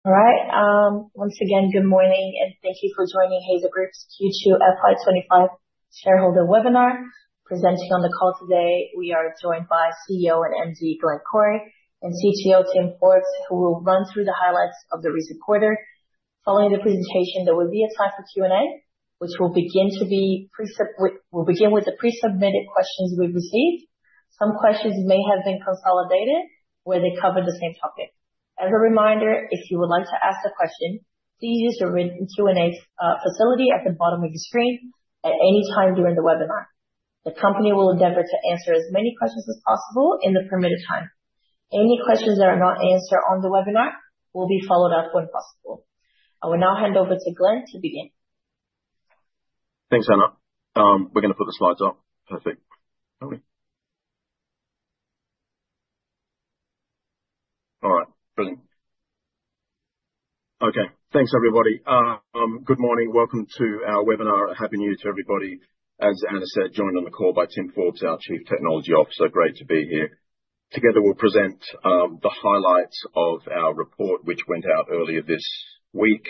All right. Once again, good morning, and thank you for joining Hazer Group's Q2 FY25 Shareholder Webinar. Presenting on the call today, we are joined by CEO and MD Glenn Corrie and CTO Tim Forbes, who will run through the highlights of the recent quarter. Following the presentation, there will be a time for Q&A, which will begin with the pre-submitted questions we've received. Some questions may have been consolidated where they cover the same topic. As a reminder, if you would like to ask a question, please use the written Q&A facility at the bottom of your screen at any time during the webinar. The company will endeavor to answer as many questions as possible in the permitted time. Any questions that are not answered on the webinar will be followed up when possible. I will now hand over to Glenn to begin. Thanks, Anna. We're going to put the slides up. Perfect. All right. Brilliant. Okay. Thanks, everybody. Good morning. Welcome to our webinar. Happy New Year to everybody. As Anna said, joined on the call by Tim Forbes, our Chief Technology Officer. Great to be here. Together, we'll present the highlights of our report, which went out earlier this week.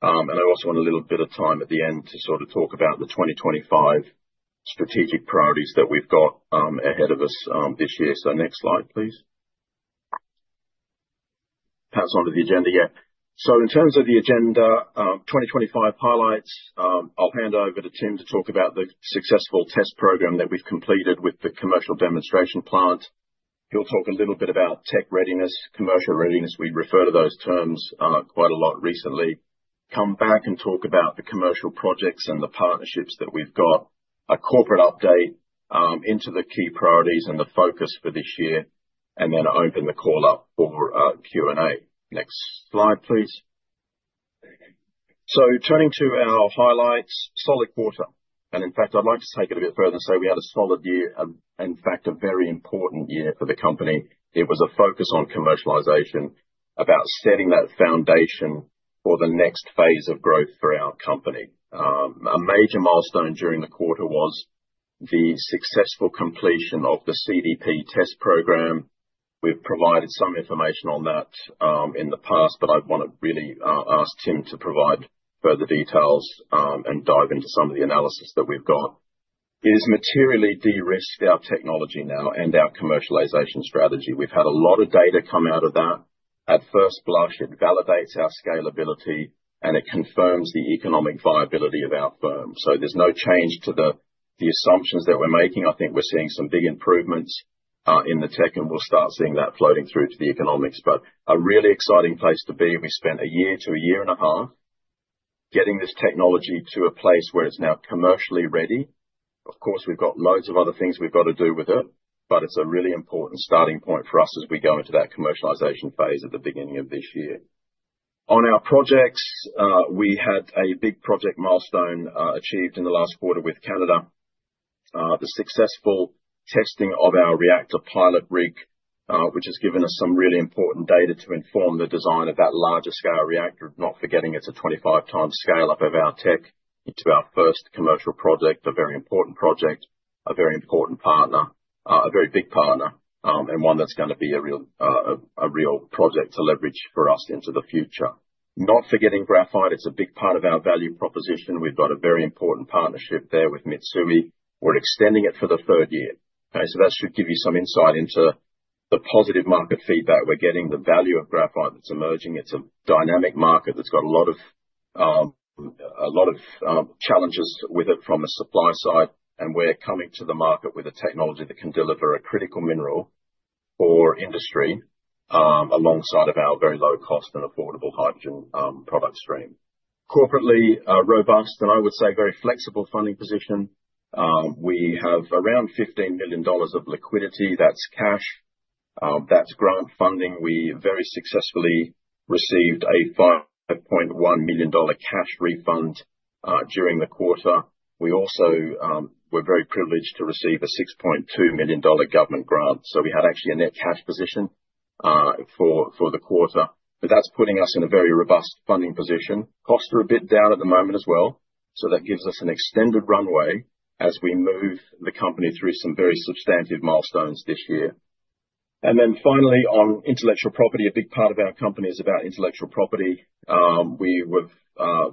And I also want a little bit of time at the end to sort of talk about the 2025 strategic priorities that we've got ahead of us this year. So next slide, please. Pass on to the agenda. Yeah. So in terms of the agenda, 2025 highlights, I'll hand over to Tim to talk about the successful test program that we've completed with the commercial demonstration plant. He'll talk a little bit about tech readiness, commercial readiness. We refer to those terms quite a lot recently. Come back and talk about the commercial projects and the partnerships that we've got. A corporate update into the key priorities and the focus for this year, and then open the call up for Q&A. Next slide, please. So turning to our highlights, solid quarter, and in fact, I'd like to take it a bit further and say we had a solid year and, in fact, a very important year for the company. It was a focus on commercialization, about setting that foundation for the next phase of growth for our company. A major milestone during the quarter was the successful completion of the CDP test program. We've provided some information on that in the past, but I want to really ask Tim to provide further details and dive into some of the analysis that we've got. It has materially de-risked our technology now and our commercialization strategy. We've had a lot of data come out of that. At first blush, it validates our scalability, and it confirms the economic viability of our firm. So there's no change to the assumptions that we're making. I think we're seeing some big improvements in the tech, and we'll start seeing that floating through to the economics. But a really exciting place to be. We spent a year to a year and a half getting this technology to a place where it's now commercially ready. Of course, we've got loads of other things we've got to do with it, but it's a really important starting point for us as we go into that commercialization phase at the beginning of this year. On our projects, we had a big project milestone achieved in the last quarter with Canada. The successful testing of our reactor pilot rig, which has given us some really important data to inform the design of that larger-scale reactor, not forgetting it's a 25-times scale-up of our tech into our first commercial project, a very important project, a very big partner, and one that's going to be a real project to leverage for us into the future. Not forgetting graphite. It's a big part of our value proposition. We've got a very important partnership there with Mitsui. We're extending it for the third year. Okay. So that should give you some insight into the positive market feedback we're getting, the value of graphite that's emerging. It's a dynamic market that's got a lot of challenges with it from a supply side, and we're coming to the market with a technology that can deliver a critical mineral for industry alongside of our very low-cost and affordable hydrogen product stream. Corporately robust, and I would say very flexible funding position. We have around 15 million dollars of liquidity. That's cash. That's grant funding. We very successfully received a 5.1 million dollar cash refund during the quarter. We also were very privileged to receive a 6.2 million dollar government grant. So we had actually a net cash position for the quarter. But that's putting us in a very robust funding position. Costs are a bit down at the moment as well. So that gives us an extended runway as we move the company through some very substantive milestones this year. And then finally, on intellectual property, a big part of our company is about intellectual property. We were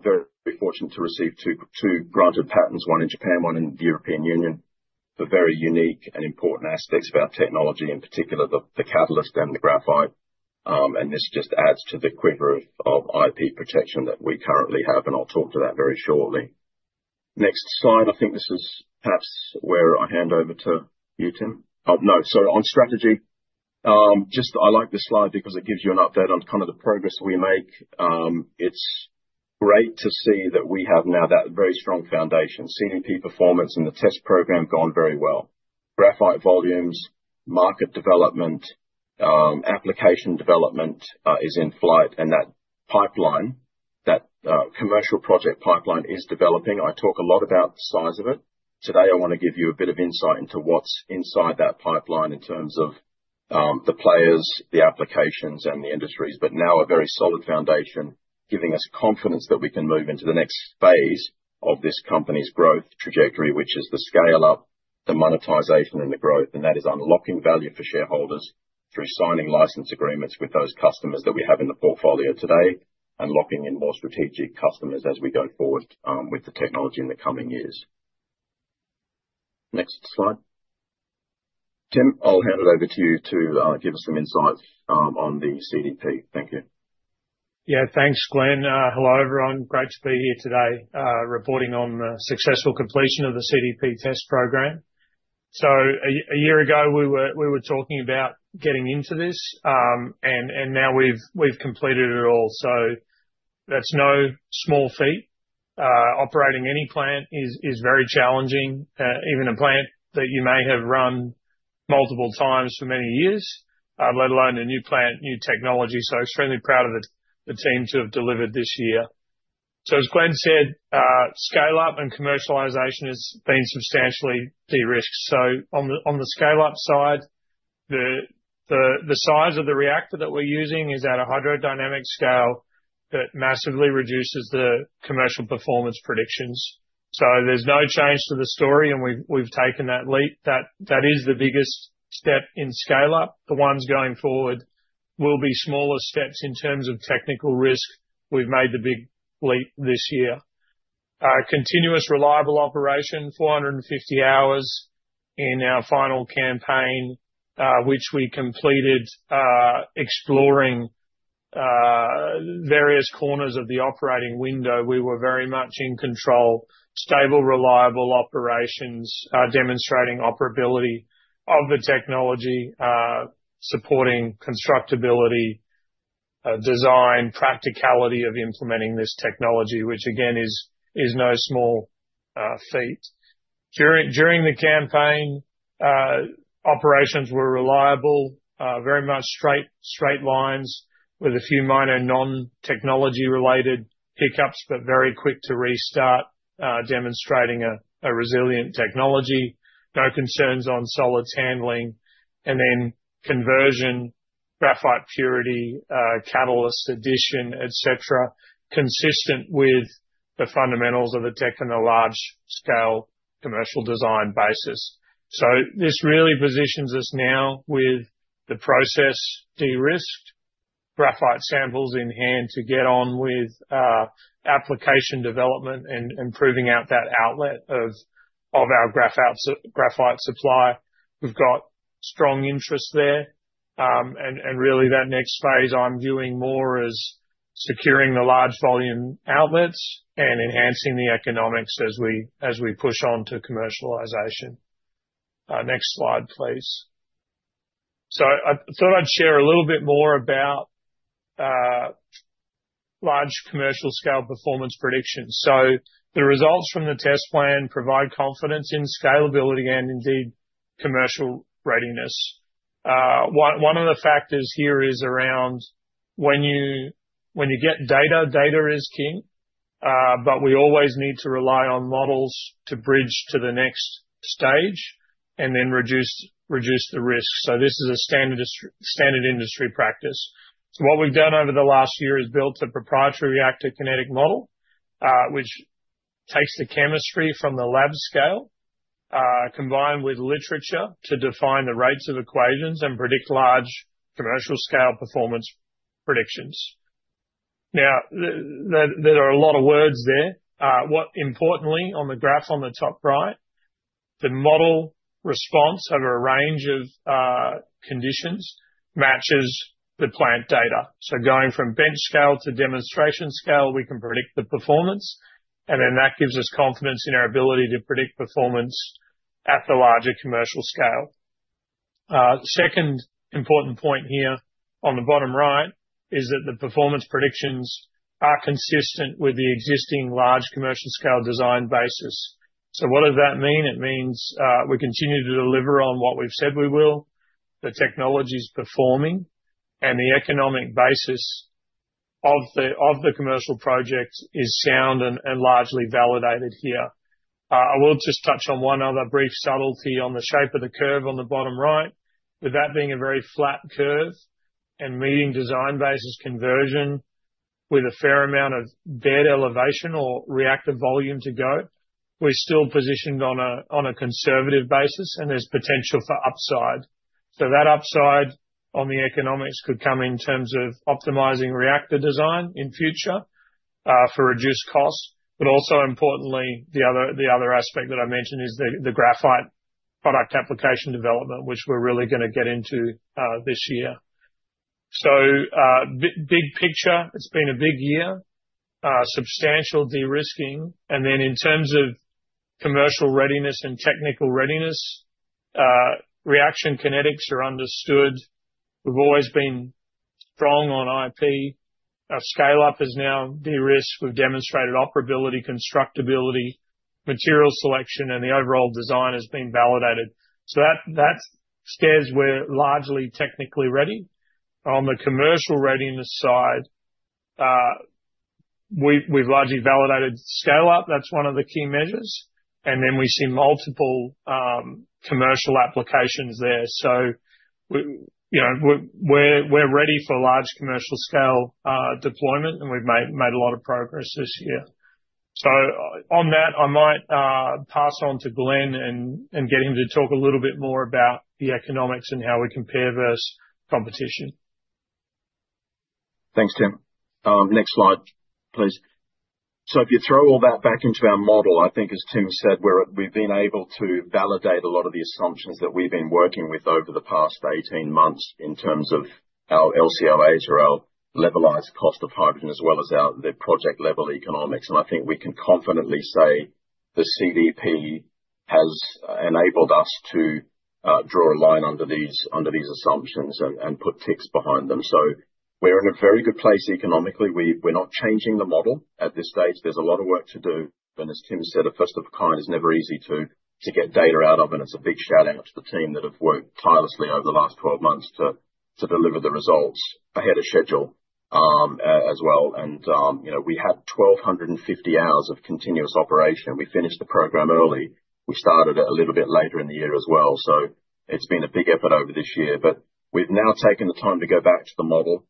very fortunate to receive two granted patents, one in Japan, one in the European Union, for very unique and important aspects of our technology, in particular the catalyst and the graphite. And this just adds to the quiver of IP protection that we currently have, and I'll talk to that very shortly. Next slide. I think this is perhaps where I hand over to you, Tim. Oh, no. Sorry. On strategy, I like this slide because it gives you an update on kind of the progress we make. It's great to see that we have now that very strong foundation. CDP performance and the test program have gone very well. Graphite volumes, market development, application development is in flight, and that commercial project pipeline is developing. I talk a lot about the size of it. Today, I want to give you a bit of insight into what's inside that pipeline in terms of the players, the applications, and the industries, but now a very solid foundation giving us confidence that we can move into the next phase of this company's growth trajectory, which is the scale-up, the monetization, and the growth, and that is unlocking value for shareholders through signing license agreements with those customers that we have in the portfolio today and locking in more strategic customers as we go forward with the technology in the coming years. Next slide. Tim, I'll hand it over to you to give us some insights on the CDP. Thank you. Yeah. Thanks, Glenn. Hello, everyone. Great to be here today reporting on the successful completion of the CDP test program. So a year ago, we were talking about getting into this, and now we've completed it all. So that's no small feat. Operating any plant is very challenging, even a plant that you may have run multiple times for many years, let alone a new plant, new technology. So extremely proud of the team to have delivered this year. So as Glenn said, scale-up and commercialization has been substantially de-risked. So on the scale-up side, the size of the reactor that we're using is at a hydrodynamic scale that massively reduces the commercial performance predictions. So there's no change to the story, and we've taken that leap. That is the biggest step in scale-up. The ones going forward will be smaller steps in terms of technical risk. We've made the big leap this year. Continuous reliable operation, 450 hours in our final campaign, which we completed exploring various corners of the operating window. We were very much in control. Stable, reliable operations, demonstrating operability of the technology, supporting constructability, design, practicality of implementing this technology, which, again, is no small feat. During the campaign, operations were reliable, very much straight lines with a few minor non-technology-related hiccups, but very quick to restart, demonstrating a resilient technology. No concerns on solids handling. And then conversion, graphite purity, catalyst addition, etc., consistent with the fundamentals of the tech and the large-scale commercial design basis. So this really positions us now with the process de-risked, graphite samples in hand to get on with application development and proving out that outlet of our graphite supply. We've got strong interest there. And really, that next phase I'm viewing more as securing the large volume outlets and enhancing the economics as we push on to commercialization. Next slide, please. So I thought I'd share a little bit more about large commercial-scale performance predictions. So the results from the test plan provide confidence in scalability and indeed commercial readiness. One of the factors here is around when you get data, data is king, but we always need to rely on models to bridge to the next stage and then reduce the risk. So this is a standard industry practice. So what we've done over the last year is built a proprietary reactor kinetic model, which takes the chemistry from the lab scale, combined with literature to define the rates of equations and predict large commercial-scale performance predictions. Now, there are a lot of words there. Importantly, on the graph on the top right, the model response over a range of conditions matches the plant data. So going from bench scale to demonstration scale, we can predict the performance, and then that gives us confidence in our ability to predict performance at the larger commercial scale. Second important point here on the bottom right is that the performance predictions are consistent with the existing large commercial-scale design basis. So what does that mean? It means we continue to deliver on what we've said we will. The technology's performing, and the economic basis of the commercial project is sound and largely validated here. I will just touch on one other brief subtlety on the shape of the curve on the bottom right. With that being a very flat curve and meeting design basis conversion with a fair amount of bed elevation or reactive volume to go, we're still positioned on a conservative basis, and there's potential for upside. So that upside on the economics could come in terms of optimizing reactor design in future for reduced costs. But also, importantly, the other aspect that I mentioned is the graphite product application development, which we're really going to get into this year. So big picture, it's been a big year, substantial de-risking. And then in terms of commercial readiness and technical readiness, reaction kinetics are understood. We've always been strong on IP. Scale-up is now de-risked. We've demonstrated operability, constructability, material selection, and the overall design has been validated. So that squares we're largely technically ready. On the commercial readiness side, we've largely validated scale-up. That's one of the key measures. We see multiple commercial applications there. We're ready for large commercial-scale deployment, and we've made a lot of progress this year. On that, I might pass on to Glenn and get him to talk a little bit more about the economics and how we compare versus competition. Thanks, Tim. Next slide, please. So if you throw all that back into our model, I think, as Tim said, we've been able to validate a lot of the assumptions that we've been working with over the past 18 months in terms of our LCOHs or our levelized cost of hydrogen as well as the project-level economics. And I think we can confidently say the CDP has enabled us to draw a line under these assumptions and put ticks behind them. So we're in a very good place economically. We're not changing the model at this stage. There's a lot of work to do. And as Tim said, first-of-kind, it's never easy to get data out of, and it's a big shout-out to the team that have worked tirelessly over the last 12 months to deliver the results ahead of schedule as well. We had 1,250 hours of continuous operation. We finished the program early. We started a little bit later in the year as well. It's been a big effort over this year. We've now taken the time to go back to the model.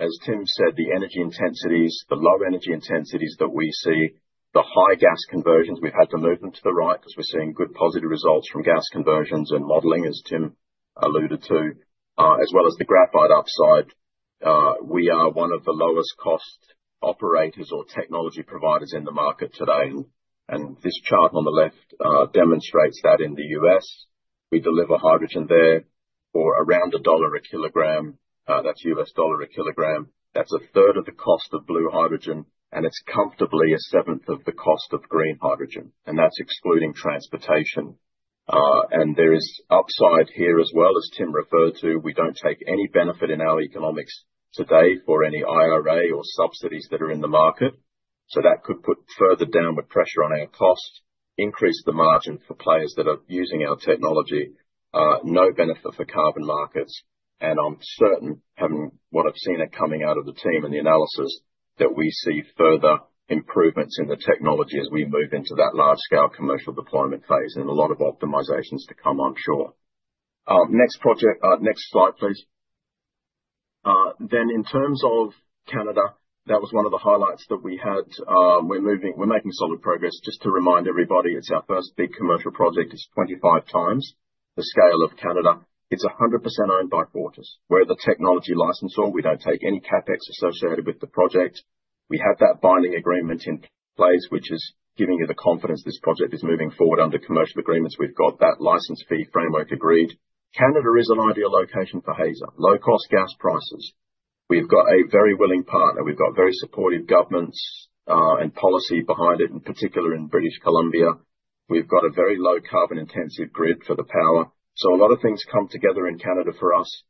As Tim said, the energy intensities, the low energy intensities that we see, the high gas conversions, we've had to move them to the right because we're seeing good positive results from gas conversions and modeling, as Tim alluded to, as well as the graphite upside. We are one of the lowest-cost operators or technology providers in the market today. This chart on the left demonstrates that in the U.S., we deliver hydrogen there for around $1 a kilogram. That's $1 a kilogram. That's a third of the cost of blue hydrogen, and it's comfortably a seventh of the cost of green hydrogen, and that's excluding transportation. And there is upside here as well, as Tim referred to. We don't take any benefit in our economics today for any IRA or subsidies that are in the market, so that could put further downward pressure on our cost, increase the margin for players that are using our technology, no benefit for carbon markets. And I'm certain, having what I've seen coming out of the team and the analysis, that we see further improvements in the technology as we move into that large-scale commercial deployment phase and a lot of optimizations to come onshore. Next slide, please. Then in terms of Canada, that was one of the highlights that we had. We're making solid progress. Just to remind everybody, it's our first big commercial project. It's 25 times the scale of Canada. It's 100% owned by Fortis. We're the technology licensor. We don't take any CapEx associated with the project. We have that binding agreement in place, which is giving you the confidence this project is moving forward under commercial agreements. We've got that license fee framework agreed. Canada is an ideal location for Hazer, low-cost gas prices. We've got a very willing partner. We've got very supportive governments and policy behind it, in particular in British Columbia. We've got a very low-carbon intensive grid for the power. So a lot of things come together in Canada for us.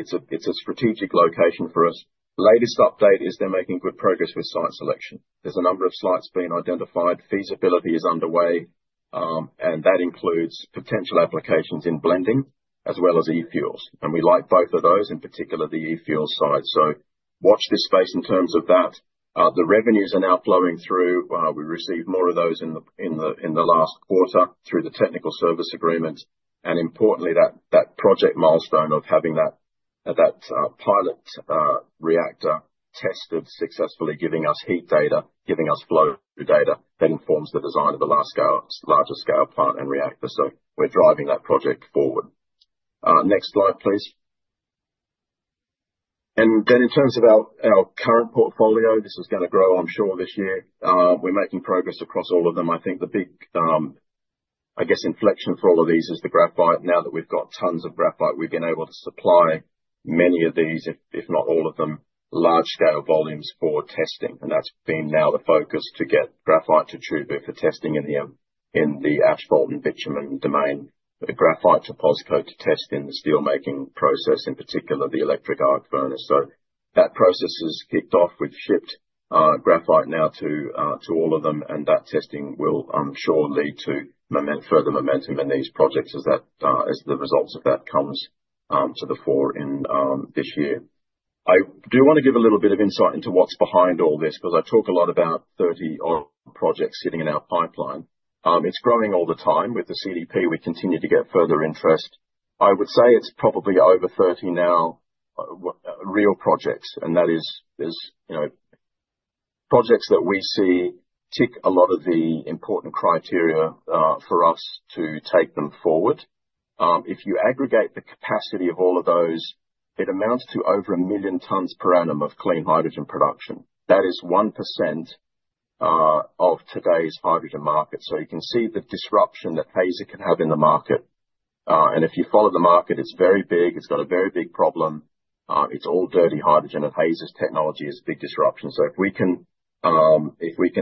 It's a strategic location for us. Latest update is they're making good progress with site selection. There's a number of sites being identified. Feasibility is underway, and that includes potential applications in blending as well as e-fuels, and we like both of those, in particular the e-fuel side, so watch this space in terms of that. The revenues are now flowing through. We received more of those in the last quarter through the technical service agreement, and importantly, that project milestone of having that pilot reactor tested successfully, giving us heat data, giving us flow data that informs the design of the larger-scale plant and reactor, so we're driving that project forward. Next slide, please, and then in terms of our current portfolio, this is going to grow, I'm sure, this year. We're making progress across all of them. I think the big, I guess, inflection for all of these is the graphite. Now that we've got tons of graphite, we've been able to supply many of these, if not all of them, large-scale volumes for testing, and that's been now the focus to get graphite to Chubu for testing in the asphalt and bitumen domain, graphite to POSCO to test in the steelmaking process, in particular the electric arc furnace, so that process has kicked off. We've shipped graphite now to all of them, and that testing will, I'm sure, lead to further momentum in these projects as the results of that come to the fore this year. I do want to give a little bit of insight into what's behind all this because I talk a lot about 30-odd projects sitting in our pipeline. It's growing all the time. With the CDP, we continue to get further interest. I would say it's probably over 30 now real projects. And that is projects that we see tick a lot of the important criteria for us to take them forward. If you aggregate the capacity of all of those, it amounts to over a million tons per annum of clean hydrogen production. That is 1% of today's hydrogen market. So you can see the disruption that Hazer can have in the market. And if you follow the market, it's very big. It's got a very big problem. It's all dirty hydrogen. And Hazer's technology is a big disruption. So if we can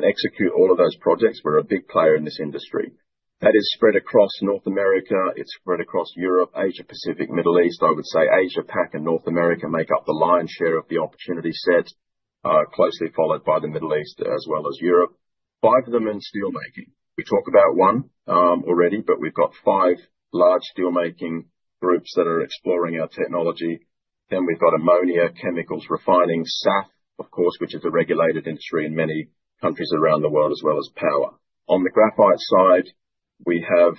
execute all of those projects, we're a big player in this industry. That is spread across North America. It's spread across Europe, Asia-Pacific, Middle East. I would say Asia-Pac and North America make up the lion's share of the opportunity set, closely followed by the Middle East as well as Europe. Five of them in steelmaking. We talk about one already, but we've got five large steelmaking groups that are exploring our technology. Then we've got ammonia chemicals refining, SAF, of course, which is a regulated industry in many countries around the world, as well as power. On the graphite side, we have,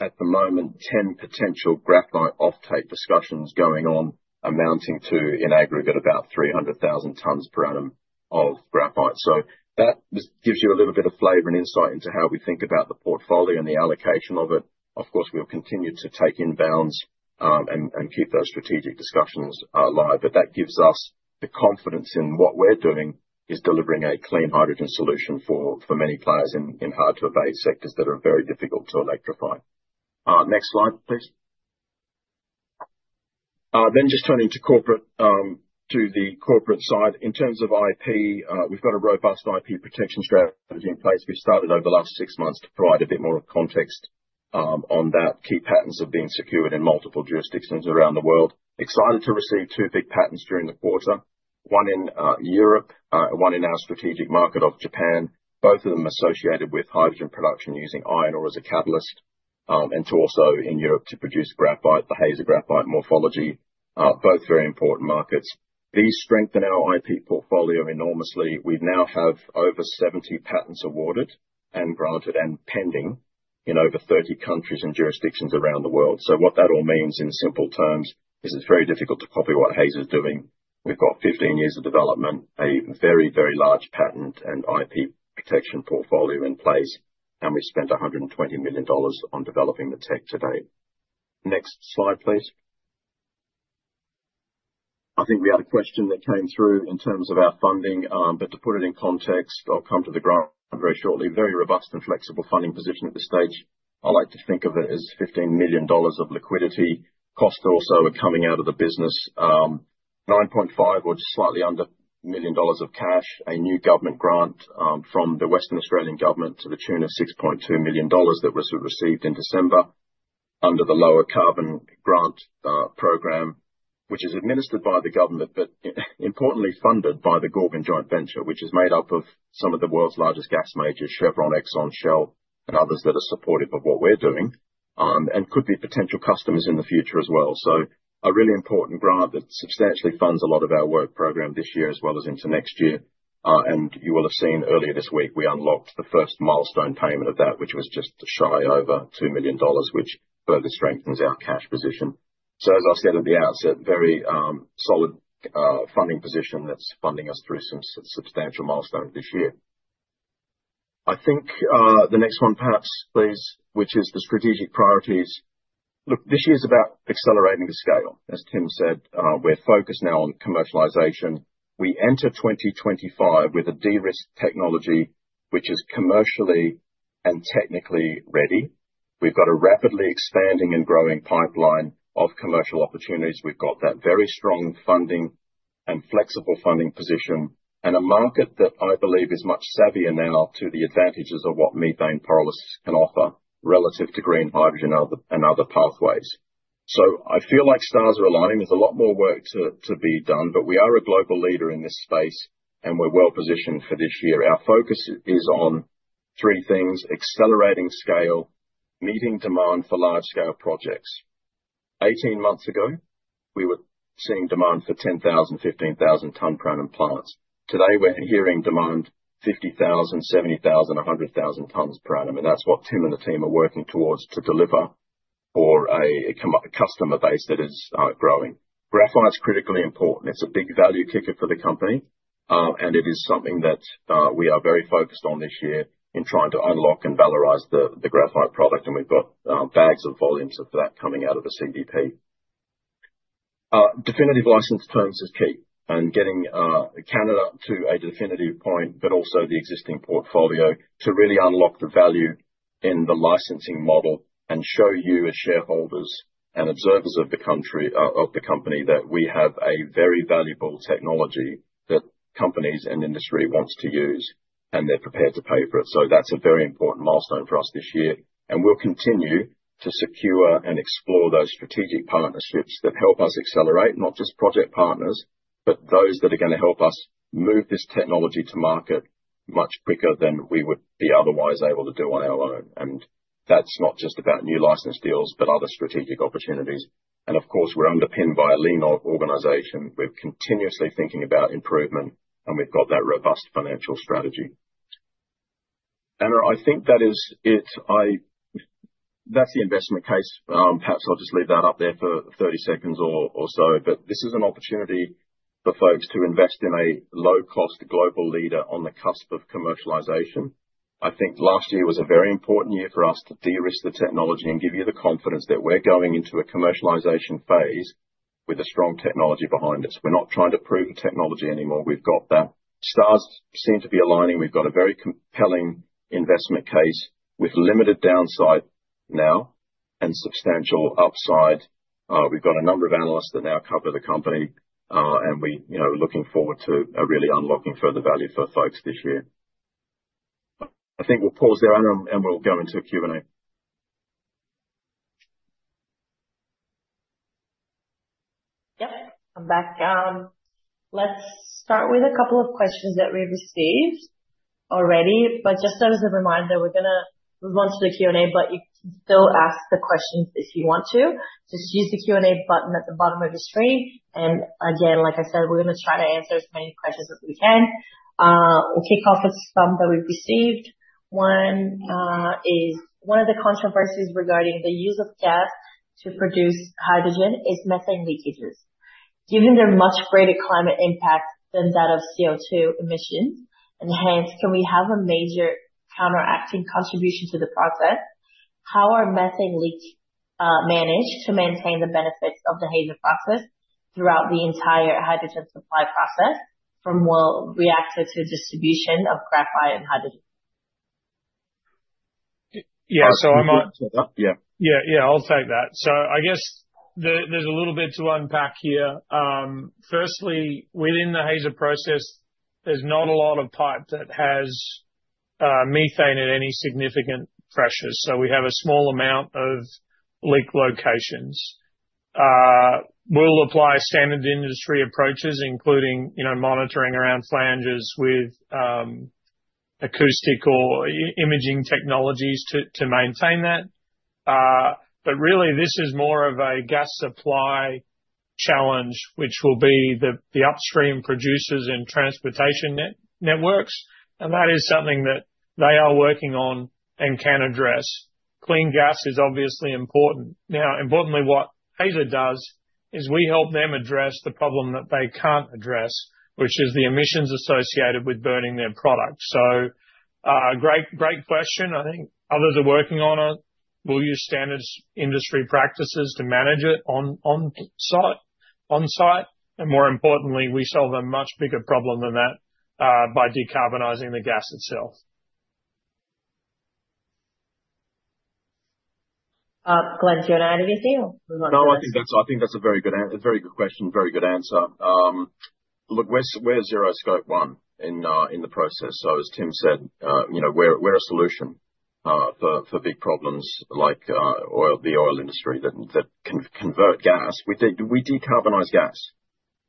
at the moment, 10 potential graphite offtake discussions going on, amounting to, in aggregate, about 300,000 tons per annum of graphite. So that gives you a little bit of flavor and insight into how we think about the portfolio and the allocation of it. Of course, we'll continue to take inbounds and keep those strategic discussions live. But that gives us the confidence in what we're doing is delivering a clean hydrogen solution for many players in hard-to-abate sectors that are very difficult to electrify. Next slide, please. Then just turning to the corporate side. In terms of IP, we've got a robust IP protection strategy in place. We've started over the last six months to provide a bit more of context on that. Key patents have been secured in multiple jurisdictions around the world. Excited to receive two big patents during the quarter, one in Europe, one in our strategic market of Japan, both of them associated with hydrogen production using iron ore as a catalyst, and also in Europe to produce graphite, the Hazer graphite morphology, both very important markets. These strengthen our IP portfolio enormously. We now have over 70 patents awarded and granted and pending in over 30 countries and jurisdictions around the world. So what that all means in simple terms is it's very difficult to copy what Hazer's doing. We've got 15 years of development, a very, very large patent and IP protection portfolio in place, and we've spent 120 million dollars on developing the tech today. Next slide, please. I think we had a question that came through in terms of our funding. But to put it in context, I'll come to the ground very shortly. Very robust and flexible funding position at this stage. I like to think of it as 15 million dollars of liquidity. Costs also are coming out of the business. million or just slightly under 10 million dollars of cash, a new government grant from the Western Australian government to the tune of 6.2 million dollars that was received in December under the Lower Carbon Grants Program, which is administered by the government, but importantly, funded by the Gorgon Joint Venture, which is made up of some of the world's largest gas majors, Chevron, Exxon, Shell, and others that are supportive of what we're doing and could be potential customers in the future as well. So a really important grant that substantially funds a lot of our work program this year as well as into next year. And you will have seen earlier this week, we unlocked the first milestone payment of that, which was just shy over 2 million dollars, which further strengthens our cash position. As I said at the outset, very solid funding position that's funding us through some substantial milestones this year. I think the next one perhaps, please, which is the strategic priorities. Look, this year's about accelerating the scale. As Tim said, we're focused now on commercialization. We enter 2025 with a de-risk technology, which is commercially and technically ready. We've got a rapidly expanding and growing pipeline of commercial opportunities. We've got that very strong funding and flexible funding position and a market that I believe is much savvier now to the advantages of what methane pyrolysis can offer relative to green hydrogen and other pathways. I feel like stars are aligning. There's a lot more work to be done, but we are a global leader in this space, and we're well positioned for this year. Our focus is on three things: accelerating scale, meeting demand for large-scale projects. 18 months ago, we were seeing demand for 10,000-15,000-ton per annum plants. Today, we're hearing demand 50,000, 70,000, 100,000 tons per annum. That's what Tim and the team are working towards to deliver for a customer base that is growing. Graphite's critically important. It's a big value kicker for the company, and it is something that we are very focused on this year in trying to unlock and valorize the graphite product. We've got bags of volumes of that coming out of the CDP. Definitive license terms are key and getting Canada to a definitive point, but also the existing portfolio to really unlock the value in the licensing model and show you as shareholders and observers of the company that we have a very valuable technology that companies and industry want to use, and they're prepared to pay for it. So that's a very important milestone for us this year. And we'll continue to secure and explore those strategic partnerships that help us accelerate, not just project partners, but those that are going to help us move this technology to market much quicker than we would be otherwise able to do on our own. And that's not just about new license deals, but other strategic opportunities. And of course, we're underpinned by a lean organization. We're continuously thinking about improvement, and we've got that robust financial strategy. And I think that is it. That's the investment case. Perhaps I'll just leave that up there for 30 seconds or so. But this is an opportunity for folks to invest in a low-cost global leader on the cusp of commercialization. I think last year was a very important year for us to de-risk the technology and give you the confidence that we're going into a commercialization phase with a strong technology behind us. We're not trying to prove the technology anymore. We've got that. Stars seem to be aligning. We've got a very compelling investment case with limited downside now and substantial upside. We've got a number of analysts that now cover the company, and we're looking forward to really unlocking further value for folks this year. I think we'll pause there and we'll go into a Q&A. Yep. I'm back. Let's start with a couple of questions that we've received already. But just as a reminder, we're going to move on to the Q&A, but you can still ask the questions if you want to. Just use the Q&A button at the bottom of your screen. And again, like I said, we're going to try to answer as many questions as we can. We'll kick off with some that we've received. One is, one of the controversies regarding the use of gas to produce hydrogen is methane leakages. Given their much greater climate impact than that of CO2 emissions, and hence, can we have a major counteracting contribution to the process? How are methane leaks managed to maintain the benefits of the Hazer process throughout the entire hydrogen supply process from well to reactor to distribution of graphite and hydrogen? Yeah. So I'm on. Yeah. Yeah. Yeah. I'll take that. So I guess there's a little bit to unpack here. Firstly, within the Hazer process, there's not a lot of pipe that has methane at any significant pressure. So we have a small amount of leak locations. We'll apply standard industry approaches, including monitoring around flanges with acoustic or imaging technologies to maintain that. But really, this is more of a gas supply challenge, which will be the upstream producers and transportation networks. And that is something that they are working on and can address. Clean gas is obviously important. Now, importantly, what Hazer does is we help them address the problem that they can't address, which is the emissions associated with burning their product. So great question. I think others are working on it. We'll use standard industry practices to manage it on site. And more importantly, we solve a much bigger problem than that by decarbonizing the gas itself. Glenn, do you want to add anything? No, I think that's a very good question, very good answer. Look, where's zero Scope 1 in the process? So, as Tim said, we're a solution for big problems like the oil industry that can convert gas. We decarbonize gas,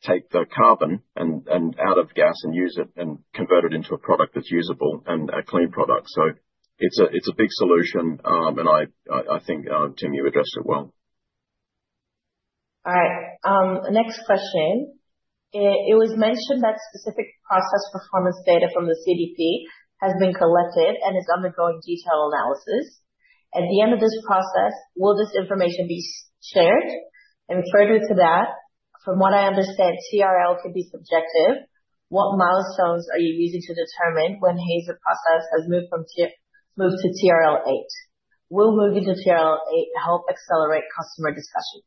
take the carbon out of gas and use it and convert it into a product that's usable and a clean product. So it's a big solution. And I think, Tim, you addressed it well. All right. Next question. It was mentioned that specific process performance data from the CDP has been collected and is undergoing detailed analysis. At the end of this process, will this information be shared? And further to that, from what I understand, TRL could be subjective. What milestones are you using to determine when Hazer Process has moved to TRL 8? We'll move into TRL 8 to help accelerate customer discussion.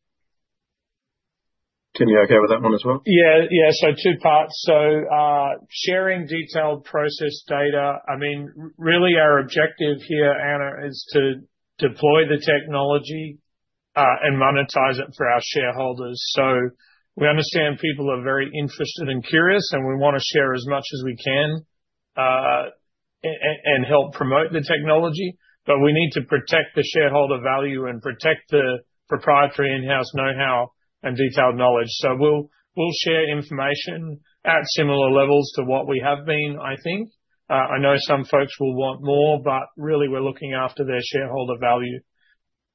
Tim, you're okay with that one as well? Yeah. Yeah. So, two parts. So, sharing detailed process data. I mean, really, our objective here, Anna, is to deploy the technology and monetize it for our shareholders. So, we understand people are very interested and curious, and we want to share as much as we can and help promote the technology. But we need to protect the shareholder value and protect the proprietary in-house know-how and detailed knowledge. So, we'll share information at similar levels to what we have been, I think. I know some folks will want more, but really, we're looking after their shareholder value.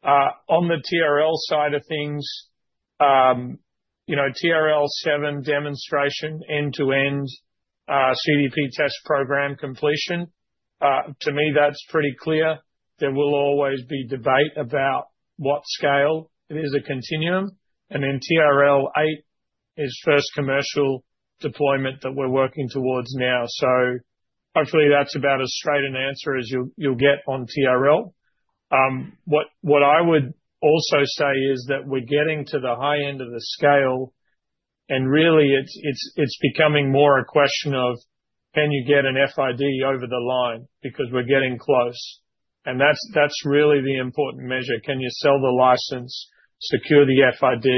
On the TRL side of things, TRL 7 demonstration, end-to-end CDP test program completion, to me, that's pretty clear. There will always be debate about what scale. It is a continuum, and then TRL 8 is first commercial deployment that we're working towards now. So hopefully, that's about as straight an answer as you'll get on TRL. What I would also say is that we're getting to the high end of the scale. And really, it's becoming more a question of, can you get an FID over the line? Because we're getting close. And that's really the important measure. Can you sell the license, secure the FID,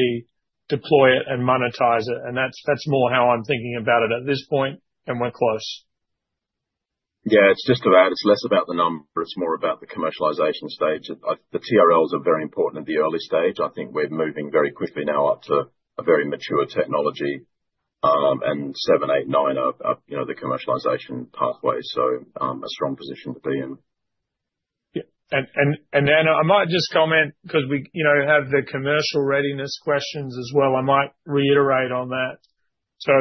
deploy it, and monetize it? And that's more how I'm thinking about it at this point, and we're close. Yeah. It's just about, it's less about the number. It's more about the commercialization stage. The TRLs are very important at the early stage. I think we're moving very quickly now up to a very mature technology and seven, eight, nine of the commercialization pathways. So a strong position to be in. Yeah. And, Anna, I might just comment because we have the commercial readiness questions as well. I might reiterate on that. So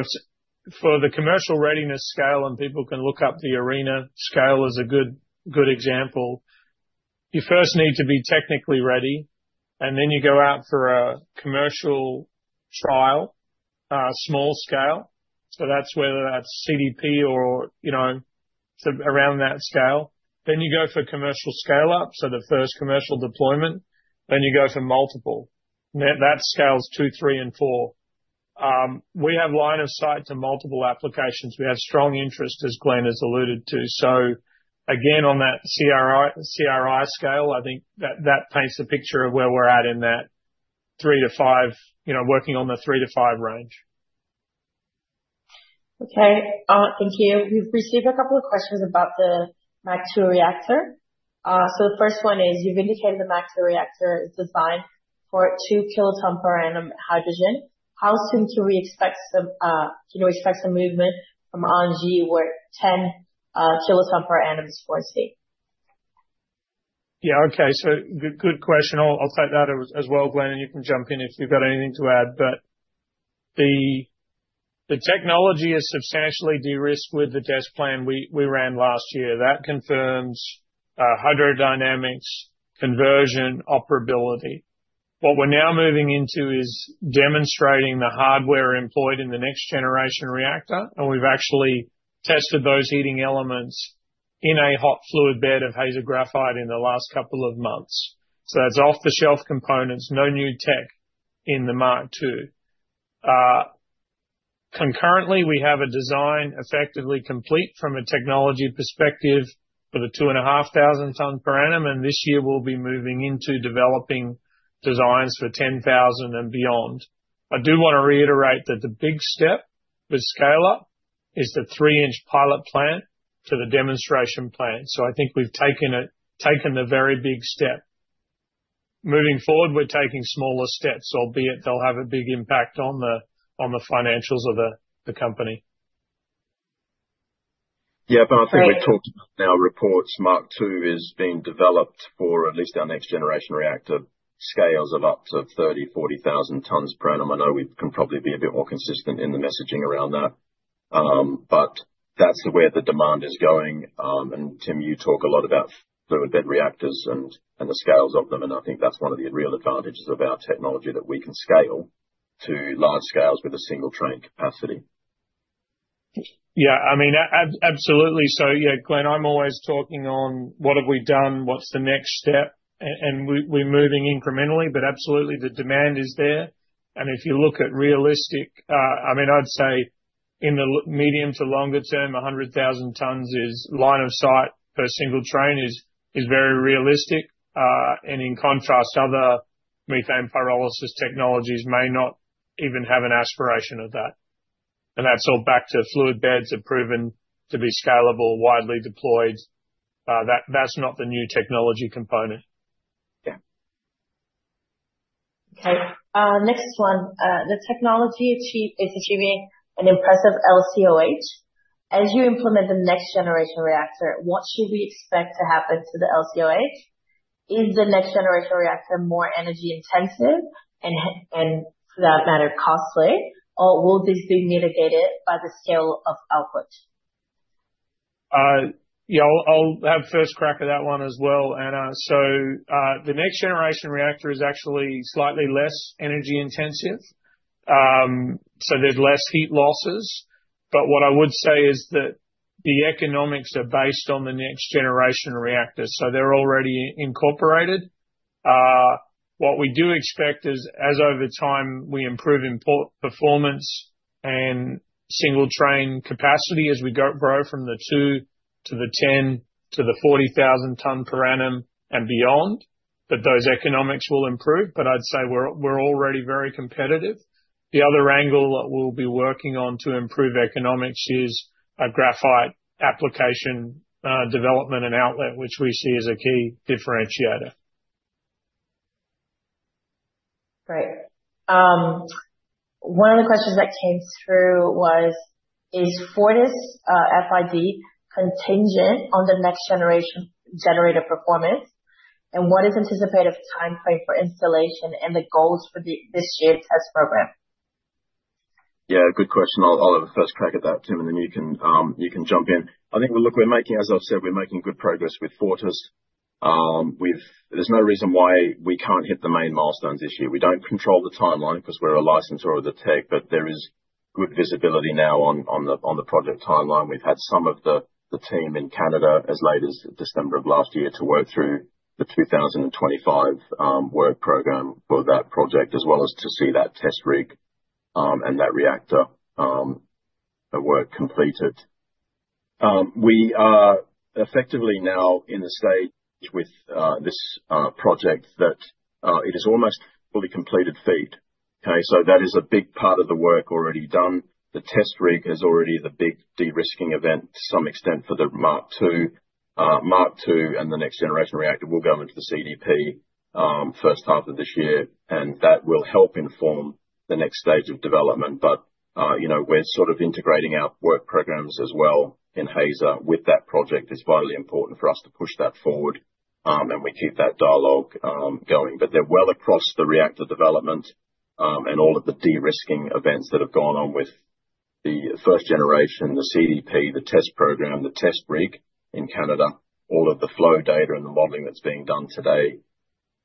for the commercial readiness scale, and people can look up the ARENA scale as a good example, you first need to be technically ready, and then you go out for a commercial trial, small scale. So that's whether that's CDP or around that scale. Then you go for commercial scale-up, so the first commercial deployment. Then you go for multiple. That scales two, three, and four. We have line of sight to multiple applications. We have strong interest, as Glenn has alluded to. So again, on that CRI scale, I think that paints a picture of where we're at in that three to five, working on the three to five range. Okay. Thank you. We've received a couple of questions about the Mark 2 reactor. So the first one is, you've indicated the Mark 2 reactor is designed for 2 kiloton per annum hydrogen. How soon can we expect some movement from ENGIE with 10 kiloton per annum is foreseen? Yeah. Okay. So good question. I'll take that as well, Glenn. And you can jump in if you've got anything to add. But the technology is substantially de-risked with the test plan we ran last year. That confirms hydrodynamics, conversion, operability. What we're now moving into is demonstrating the hardware employed in the next generation reactor. And we've actually tested those heating elements in a hot fluid bed of Hazer graphite in the last couple of months. So that's off-the-shelf components, no new tech in the Mark 2. Concurrently, we have a design effectively complete from a technology perspective for the 2,500 ton per annum. And this year, we'll be moving into developing designs for 10,000 and beyond. I do want to reiterate that the big step with scale-up is the three-inch pilot plant to the demonstration plant. So I think we've taken the very big step. Moving forward, we're taking smaller steps, albeit they'll have a big impact on the financials of the company. Yeah. But I think we've talked about in our reports, Mark 2 is being developed for at least our next generation reactor scales of up to 30,000-40,000 tons per annum. I know we can probably be a bit more consistent in the messaging around that. But that's where the demand is going. And Tim, you talk a lot about fluid bed reactors and the scales of them. And I think that's one of the real advantages of our technology that we can scale to large scales with a single train capacity. Yeah. I mean, absolutely. So yeah, Glenn, I'm always talking on what have we done, what's the next step. And we're moving incrementally, but absolutely, the demand is there. And if you look at realistic, I mean, I'd say in the medium to longer term, 100,000 tons is line of sight per single train is very realistic. And in contrast, other methane pyrolysis technologies may not even have an aspiration of that. And that's all back to fluid beds are proven to be scalable, widely deployed. That's not the new technology component. Yeah. Okay. Next one. The technology is achieving an impressive LCOH. As you implement the next generation reactor, what should we expect to happen to the LCOH? Is the next generation reactor more energy intensive and, for that matter, costly, or will this be mitigated by the scale of output? Yeah. I'll have first crack at that one as well. The next generation reactor is actually slightly less energy intensive. So there's less heat losses. But what I would say is that the economics are based on the next generation reactor. So they're already incorporated. What we do expect is, as over time we improve performance and single train capacity as we grow from the 2 to the 10 to the 40,000 ton per annum and beyond, that those economics will improve. But I'd say we're already very competitive. The other angle that we'll be working on to improve economics is a graphite application development and outlet, which we see as a key differentiator. Great. One of the questions that came through was, is Fortis FID contingent on the next generation reactor performance? And what is the anticipated timeframe for installation and the goals for this year's test program? Yeah. Good question. I'll have a first crack at that, Tim, and then you can jump in. I think we're making, as I've said, good progress with Fortis. There's no reason why we can't hit the main milestones this year. We don't control the timeline because we're a licensor of the tech, but there is good visibility now on the project timeline. We've had some of the team in Canada as late as December of last year to work through the 2025 work program for that project, as well as to see that test rig and that reactor work completed. We are effectively now in the stage with this project that it is almost fully completed FEED. Okay? So that is a big part of the work already done. The test rig is already the big de-risking event to some extent for the Mark 2. Mark 2 and the next generation reactor will go into the CDP first half of this year, and that will help inform the next stage of development, but we're sort of integrating our work programs as well in Hazer with that project. It's vitally important for us to push that forward and we keep that dialogue going, but they're well across the reactor development and all of the de-risking events that have gone on with the first generation, the CDP, the test program, the test rig in Canada, all of the flow data and the modeling that's being done today.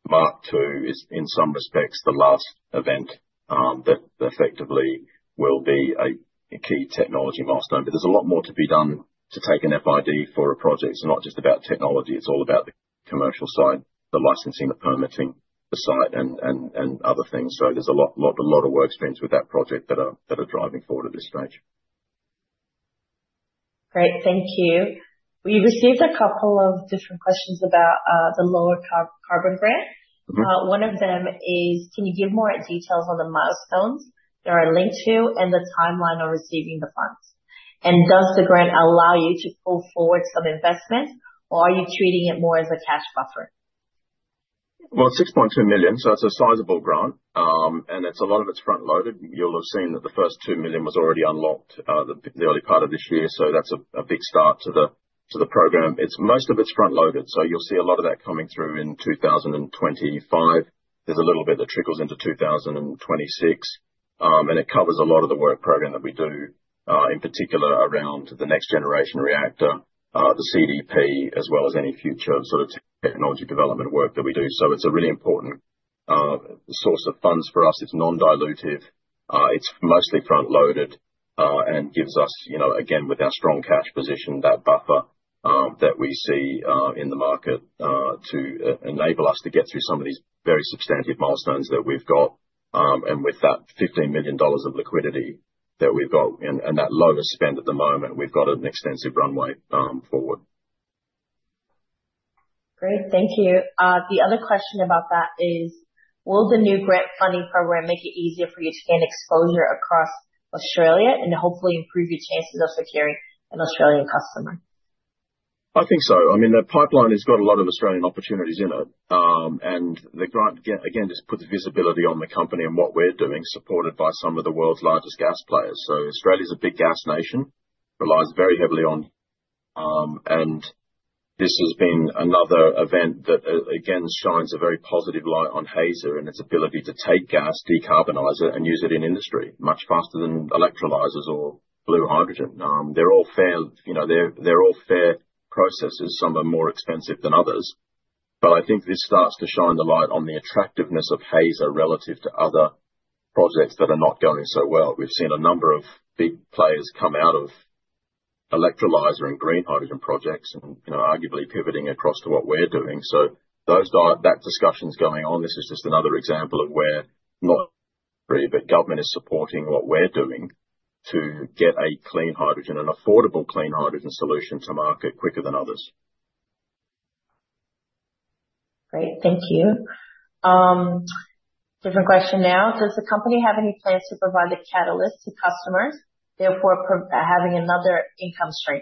Mark 2 is, in some respects, the last event that effectively will be a key technology milestone, but there's a lot more to be done to take an FID for a project. It's not just about technology. It's all about the commercial side, the licensing, the permitting, the site, and other things. There's a lot of workstreams with that project that are driving forward at this stage. Great. Thank you. We received a couple of different questions about the lower carbon grant. One of them is, can you give more details on the milestones that are linked to and the timeline on receiving the funds? And does the grant allow you to pull forward some investment, or are you treating it more as a cash buffer? Well, 6.2 million. So it's a sizable grant. And a lot of it is front-loaded. You'll have seen that the first 2 million was already unlocked in the early part of this year. So that's a big start to the program. Most of it is front-loaded. So you'll see a lot of that coming through in 2025. There's a little bit that trickles into 2026. It covers a lot of the work program that we do, in particular around the next generation reactor, the CDP, as well as any future sort of technology development work that we do. So it's a really important source of funds for us. It's non-dilutive. It's mostly front-loaded and gives us, again, with our strong cash position, that buffer that we see in the market to enable us to get through some of these very substantive milestones that we've got. And with that 15 million dollars of liquidity that we've got and that lowest spend at the moment, we've got an extensive runway forward. Great. Thank you. The other question about that is, will the new grant funding program make it easier for you to gain exposure across Australia and hopefully improve your chances of securing an Australian customer? I think so. I mean, the pipeline has got a lot of Australian opportunities in it. And the grant, again, just puts visibility on the company and what we're doing, supported by some of the world's largest gas players. So Australia is a big gas nation, relies very heavily on. And this has been another event that, again, shines a very positive light on Hazer and its ability to take gas, decarbonize it, and use it in industry much faster than electrolyzers or blue hydrogen. They're all fair processes. Some are more expensive than others. But I think this starts to shine the light on the attractiveness of Hazer relative to other projects that are not going so well. We've seen a number of big players come out of electrolyzer and green hydrogen projects and arguably pivoting across to what we're doing. So that discussion's going on. This is just another example of where not everybody, but government is supporting what we're doing to get a clean hydrogen, an affordable clean hydrogen solution to market quicker than others. Great. Thank you. Different question now. Does the company have any plans to provide a catalyst to customers, therefore having another income stream?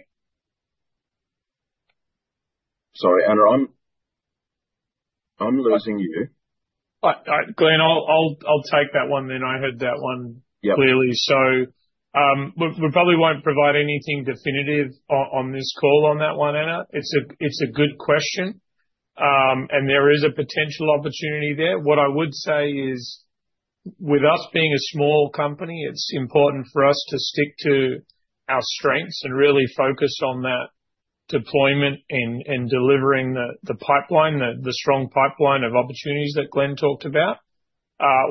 Sorry, Anna. I'm losing you. All right. Glenn, I'll take that one then. I heard that one clearly, so we probably won't provide anything definitive on this call on that one, Anna. It's a good question, and there is a potential opportunity there. What I would say is, with us being a small company, it's important for us to stick to our strengths and really focus on that deployment and delivering the strong pipeline of opportunities that Glenn talked about.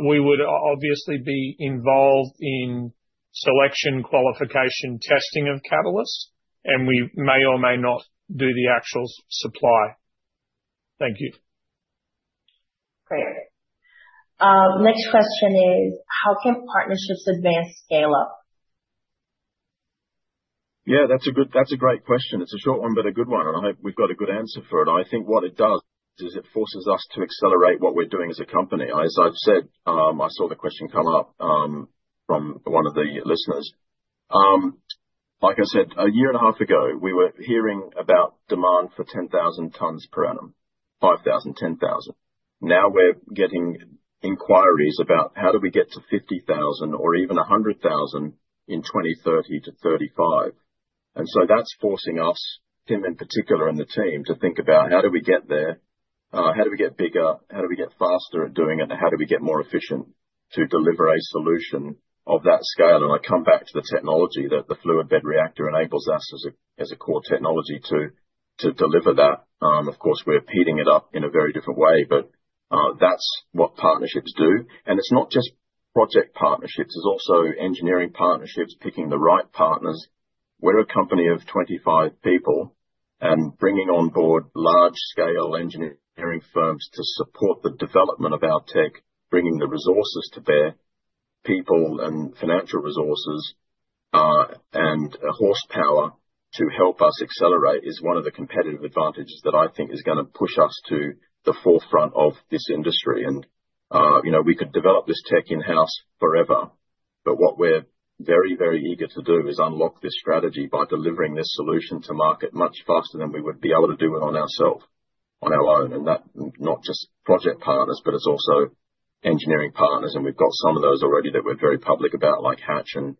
We would obviously be involved in selection, qualification, testing of catalysts, and we may or may not do the actual supply. Thank you. Great. Next question is, how can partnerships advance scale-up? Yeah. That's a great question. It's a short one, but a good one, and I hope we've got a good answer for it. I think what it does is it forces us to accelerate what we're doing as a company. As I've said, I saw the question come up from one of the listeners. Like I said, a year and a half ago, we were hearing about demand for 10,000 tons per annum, 5,000, 10,000. Now we're getting inquiries about how do we get to 50,000 or even 100,000 in 2030 to 2035. And so that's forcing us, Tim in particular and the team, to think about how do we get there, how do we get bigger, how do we get faster at doing it, and how do we get more efficient to deliver a solution of that scale. And I come back to the technology that the fluid bed reactor enables us as a core technology to deliver that. Of course, we're pitching it up in a very different way, but that's what partnerships do. And it's not just project partnerships. It's also engineering partnerships, picking the right partners. We're a company of 25 people and bringing on board large-scale engineering firms to support the development of our tech, bringing the resources to bear, people and financial resources and horsepower to help us accelerate is one of the competitive advantages that I think is going to push us to the forefront of this industry. And we could develop this tech in-house forever. But what we're very, very eager to do is unlock this strategy by delivering this solution to market much faster than we would be able to do it on ourself, on our own. And that's not just project partners, but it's also engineering partners. And we've got some of those already that we're very public about, like Hatch and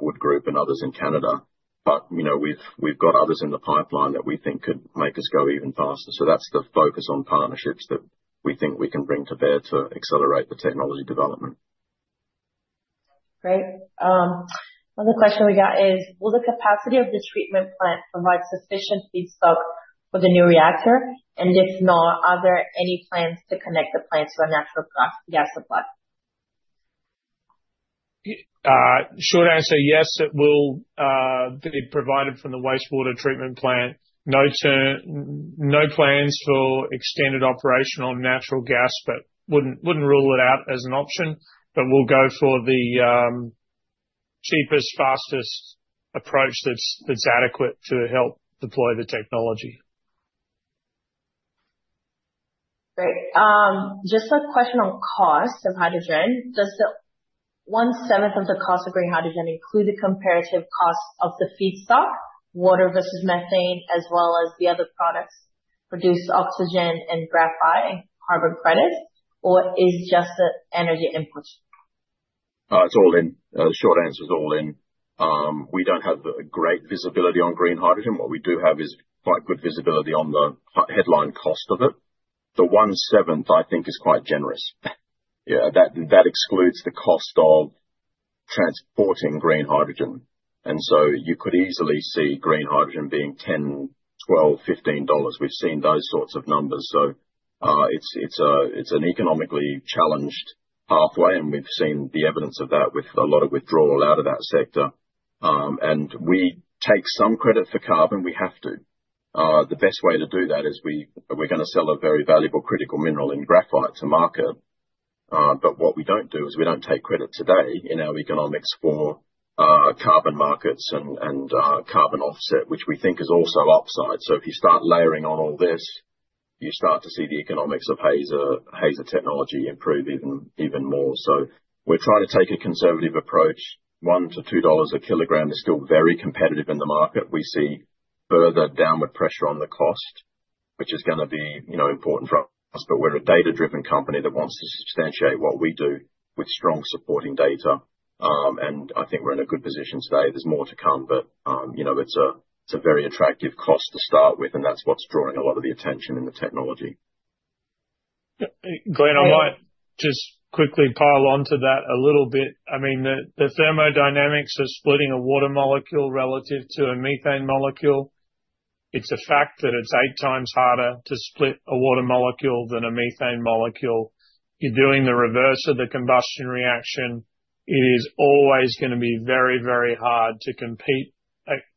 Wood Group and others in Canada. But we've got others in the pipeline that we think could make us go even faster. So that's the focus on partnerships that we think we can bring to bear to accelerate the technology development. Great. Another question we got is, will the capacity of the treatment plant provide sufficient feedstock for the new reactor? And if not, are there any plans to connect the plant to a natural gas supply? Short answer, yes. It will be provided from the wastewater treatment plant. No plans for extended operation on natural gas, but wouldn't rule it out as an option. But we'll go for the cheapest, fastest approach that's adequate to help deploy the technology. Great. Just a question on cost of hydrogen. Does one-seventh of the cost of green hydrogen include the comparative cost of the feedstock, water versus methane, as well as the other products produced oxygen and graphite and carbon credits, or is just the energy input? It's all in. Short answer is all in. We don't have great visibility on green hydrogen. What we do have is quite good visibility on the headline cost of it. The one-seventh, I think, is quite generous. Yeah. That excludes the cost of transporting green hydrogen. And so you could easily see green hydrogen being $10, $12, $15. We've seen those sorts of numbers. So it's an economically challenged pathway. And we've seen the evidence of that with a lot of withdrawal out of that sector. And we take some credit for carbon. We have to. The best way to do that is we're going to sell a very valuable critical mineral in graphite to market. But what we don't do is we don't take credit today in our economics for carbon markets and carbon offset, which we think is also upside. So if you start layering on all this, you start to see the economics of Hazer technology improve even more. So we're trying to take a conservative approach. $1-$2 a kilogram is still very competitive in the market. We see further downward pressure on the cost, which is going to be important for us. But we're a data-driven company that wants to substantiate what we do with strong supporting data. And I think we're in a good position today. There's more to come, but it's a very attractive cost to start with. And that's what's drawing a lot of the attention in the technology. Glenn, I might just quickly pile onto that a little bit. I mean, the thermodynamics of splitting a water molecule relative to a methane molecule, it's a fact that it's eight times harder to split a water molecule than a methane molecule. You're doing the reverse of the combustion reaction. It is always going to be very, very hard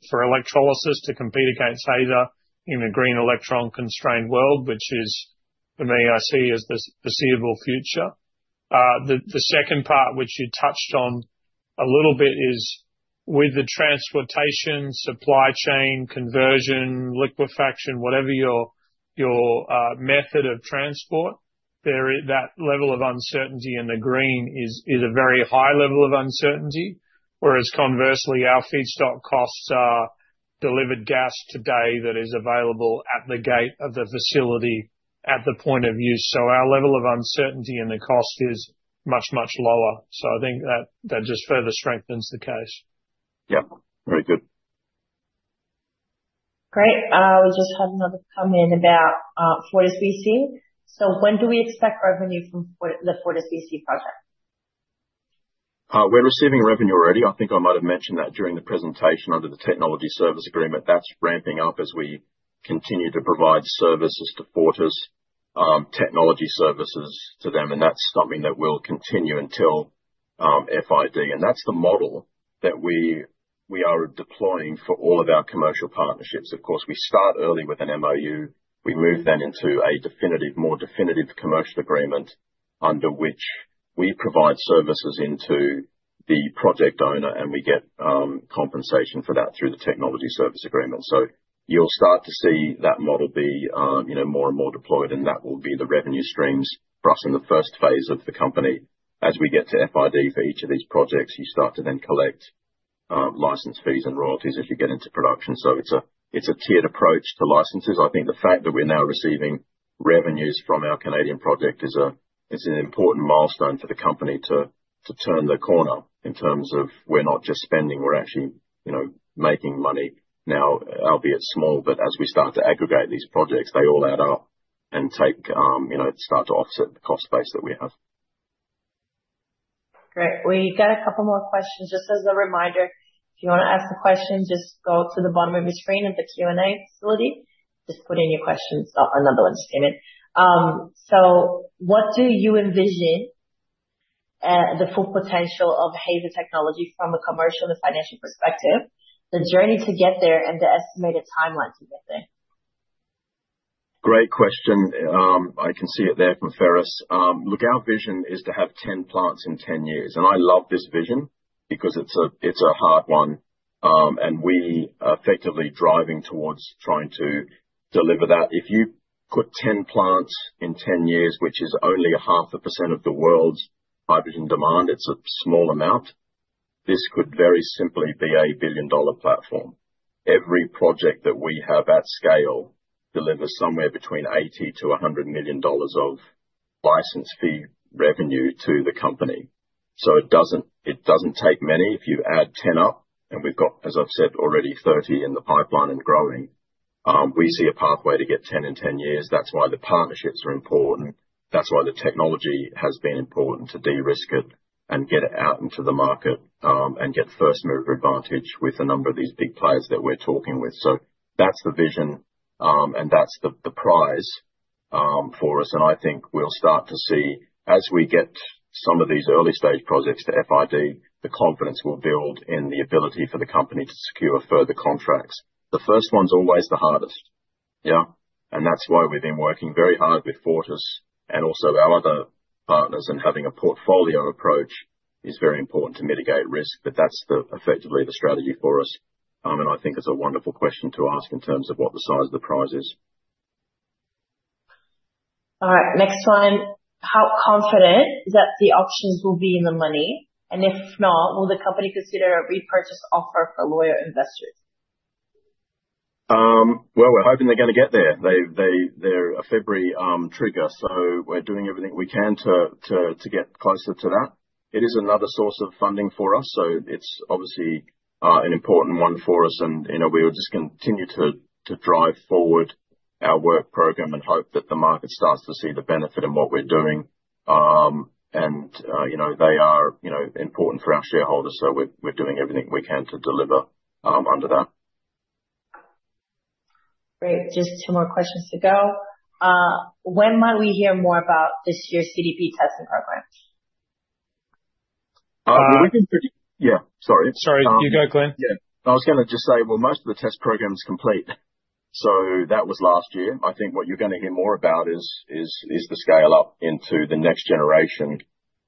for electrolysis to compete against Hazer in a green electron constrained world, which is, for me, I see as the foreseeable future. The second part, which you touched on a little bit, is with the transportation, supply chain, conversion, liquefaction, whatever your method of transport, that level of uncertainty in the green is a very high level of uncertainty. Whereas conversely, our feedstock costs are delivered gas today that is available at the gate of the facility at the point of use. So our level of uncertainty in the cost is much, much lower. So I think that just further strengthens the case. Yep. Very good. Great. We just had another comment about FortisBC. So when do we expect revenue from the FortisBC project? We're receiving revenue already. I think I might have mentioned that during the presentation under the Technology Services Agreement. That's ramping up as we continue to provide services to Fortis, technology services to them. And that's something that will continue until FID. And that's the model that we are deploying for all of our commercial partnerships. Of course, we start early with an MOU. We move then into a more definitive commercial agreement under which we provide services into the project owner, and we get compensation for that through the Technology Services Agreement. So you'll start to see that model be more and more deployed. And that will be the revenue streams for us in the first phase of the company. As we get to FID for each of these projects, you start to then collect license fees and royalties as you get into production. So it's a tiered approach to licenses. I think the fact that we're now receiving revenues from our Canadian project is an important milestone for the company to turn the corner in terms of we're not just spending. We're actually making money now, albeit small. But as we start to aggregate these projects, they all add up and start to offset the cost base that we have. Great. We got a couple more questions. Just as a reminder, if you want to ask a question, just go to the bottom of your screen at the Q&A facility. Just put in your questions. Another one just came in. So what do you envision the full potential of Hazer technology from a commercial and financial perspective, the journey to get there, and the estimated timeline to get there? Great question. I can see it there from Ferris. Look, our vision is to have 10 plants in 10 years. And I love this vision because it's a hard one. And we are effectively driving towards trying to deliver that. If you put 10 plants in 10 years, which is only 0.5% of the world's hydrogen demand, it's a small amount. This could very simply be a billion-dollar platform. Every project that we have at scale delivers somewhere between 80 million-100 million dollars of license fee revenue to the company. So it doesn't take many. If you add 10 up, and we've got, as I've said already, 30 in the pipeline and growing, we see a pathway to get 10 in 10 years. That's why the partnerships are important. That's why the technology has been important to de-risk it and get it out into the market and get first-mover advantage with a number of these big players that we're talking with. So that's the vision, and that's the prize for us. And I think we'll start to see, as we get some of these early-stage projects to FID, the confidence will build in the ability for the company to secure further contracts. The first one's always the hardest. Yeah. And that's why we've been working very hard with Fortis and also our other partners, and having a portfolio approach is very important to mitigate risk. But that's effectively the strategy for us. And I think it's a wonderful question to ask in terms of what the size of the prize is. All right. Next one. How confident is that the options will be in the money? And if not, will the company consider a repurchase offer for loyal investors? Well, we're hoping they're going to get there. They're a February trigger. So we're doing everything we can to get closer to that. It is another source of funding for us. So it's obviously an important one for us. And we will just continue to drive forward our work program and hope that the market starts to see the benefit in what we're doing. And they are important for our shareholders. So we're doing everything we can to deliver under that. Great. Just two more questions to go. When might we hear more about this year's CDP testing program? I was going to just say, well, most of the test programs complete. So that was last year. I think what you're going to hear more about is the scale-up into the next generation.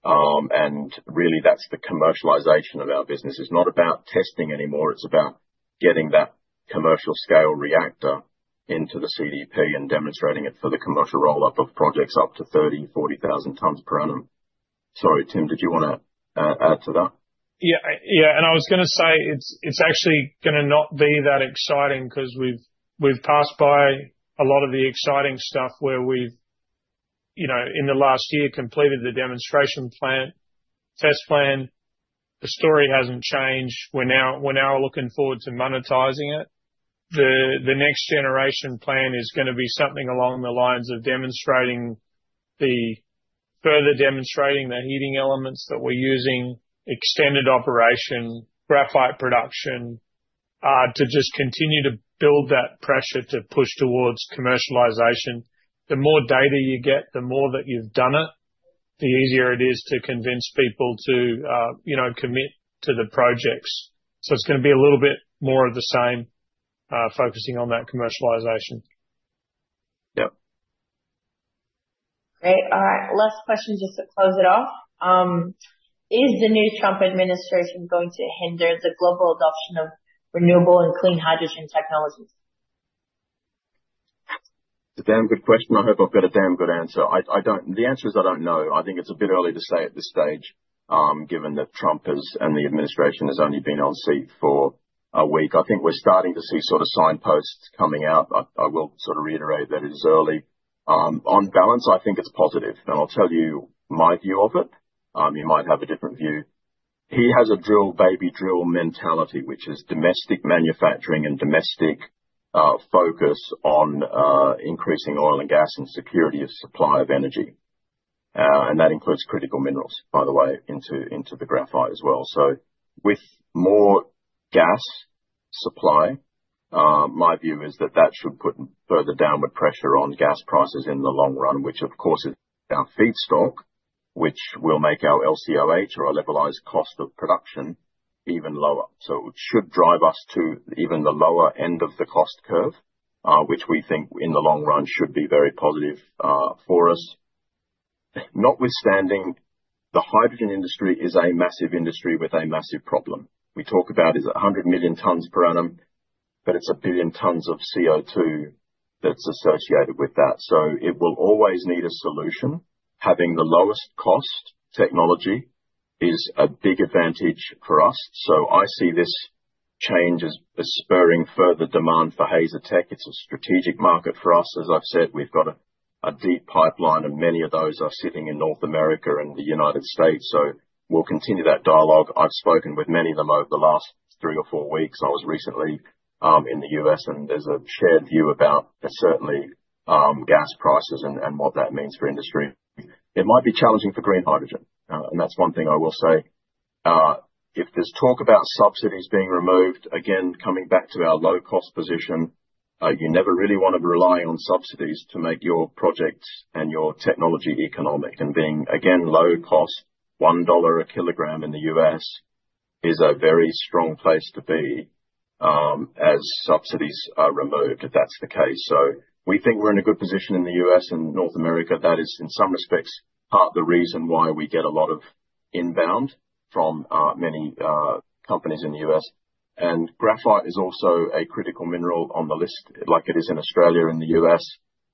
And really, that's the commercialization of our business. It's not about testing anymore. It's about getting that commercial-scale reactor into the CDP and demonstrating it for the commercial roll-up of projects up to 30-40,000 tons per annum. Sorry, Tim, did you want to add to that? Yeah. Yeah. And I was going to say it's actually going to not be that exciting because we've passed by a lot of the exciting stuff where we've, in the last year, completed the demonstration test plan. The story hasn't changed. We're now looking forward to monetizing it. The next-generation plan is going to be something along the lines of further demonstrating the heating elements that we're using, extended operation, graphite production, to just continue to build that pressure to push towards commercialization. The more data you get, the more that you've done it, the easier it is to convince people to commit to the projects. So it's going to be a little bit more of the same, focusing on that commercialization. Yep. Great. All right. Last question just to close it off. Is the new Trump administration going to hinder the global adoption of renewable and clean hydrogen technologies? Damn good question. I hope I've got a damn good answer. The answer is I don't know. I think it's a bit early to say at this stage, given that Trump and the administration has only been in office for a week. I think we're starting to see sort of signposts coming out. I will sort of reiterate that it is early. On balance, I think it's positive. And I'll tell you my view of it. You might have a different view. He has a drill, baby, drill mentality, which is domestic manufacturing and domestic focus on increasing oil and gas and security of supply of energy. And that includes critical minerals, by the way, into the graphite as well. So with more gas supply, my view is that that should put further downward pressure on gas prices in the long run, which, of course, is our feedstock, which will make our LCOH or our levelized cost of production even lower. So it should drive us to even the lower end of the cost curve, which we think in the long run should be very positive for us. Notwithstanding, the hydrogen industry is a massive industry with a massive problem. We talk about is 100 million tons per annum, but it's a billion tons of CO2 that's associated with that. So it will always need a solution. Having the lowest cost technology is a big advantage for us. So I see this change as spurring further demand for Hazer tech. It's a strategic market for us. As I've said, we've got a deep pipeline, and many of those are sitting in North America and the United States. So we'll continue that dialogue. I've spoken with many of them over the last three or four weeks. I was recently in the U.S., and there's a shared view about certainly gas prices and what that means for industry. It might be challenging for green hydrogen. And that's one thing I will say. If there's talk about subsidies being removed, again, coming back to our low-cost position, you never really want to rely on subsidies to make your projects and your technology economic. And being, again, low-cost, $1 a kilogram in the U.S. is a very strong place to be as subsidies are removed if that's the case. So we think we're in a good position in the U.S. and North America. That is, in some respects, part of the reason why we get a lot of inbound from many companies in the U.S. And graphite is also a critical mineral on the list, like it is in Australia and the U.S.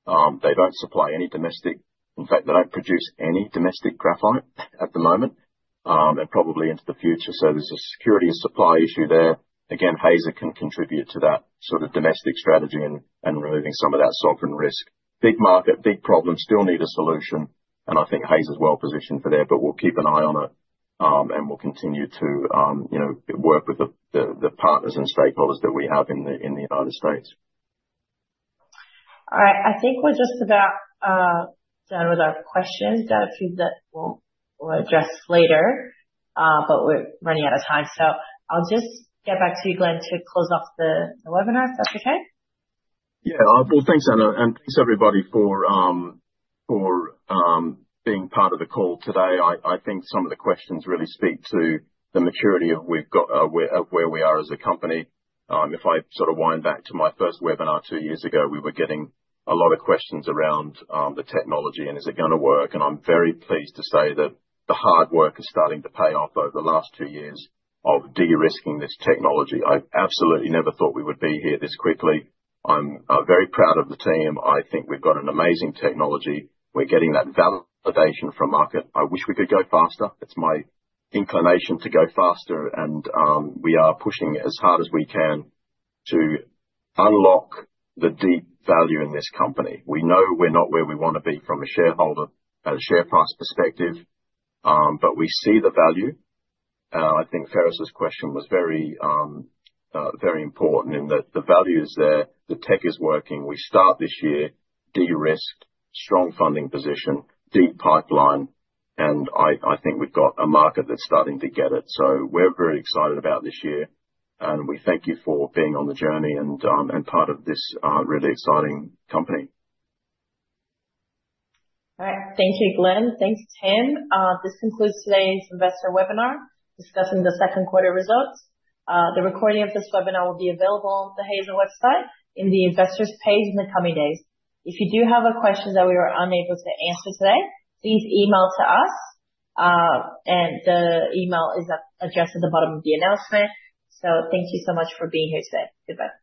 They don't supply any domestic. In fact, they don't produce any domestic graphite at the moment and probably into the future. So there's a security supply issue there. Again, Hazer can contribute to that sort of domestic strategy and removing some of that sovereign risk. Big market, big problem, still need a solution. And I think Hazer's well positioned for that, but we'll keep an eye on it. And we'll continue to work with the partners and stakeholders that we have in the United States. All right. I think we're just about done with our questions. There are a few that we'll address later, but we're running out of time. So I'll just get back to you, Glenn, to close off the webinar if that's okay. Yeah. Well, thanks, Anna. And thanks, everybody, for being part of the call today. I think some of the questions really speak to the maturity of where we are as a company. If I sort of wind back to my first webinar two years ago, we were getting a lot of questions around the technology and is it going to work. And I'm very pleased to say that the hard work is starting to pay off over the last two years of de-risking this technology. I absolutely never thought we would be here this quickly. I'm very proud of the team. I think we've got an amazing technology. We're getting that validation from market. I wish we could go faster. It's my inclination to go faster. We are pushing as hard as we can to unlock the deep value in this company. We know we're not where we want to be from a shareholder and a share price perspective, but we see the value. I think Ferris's question was very important in that the value is there. The tech is working. We start this year, de-risk, strong funding position, deep pipeline. I think we've got a market that's starting to get it. We're very excited about this year. We thank you for being on the journey and part of this really exciting company. All right. Thank you, Glenn. Thanks, Tim. This concludes today's investor webinar discussing the second quarter results. The recording of this webinar will be available on the Hazer website in the investors page in the coming days. If you do have questions that we were unable to answer today, please email to us, and the email is addressed at the bottom of the announcement, so thank you so much for being here today. Goodbye.